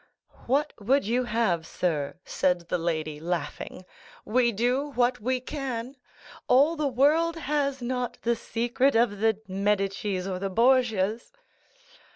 "What would you have, sir?" said the lady, laughing; "we do what we can. All the world has not the secret of the Medicis or the Borgias."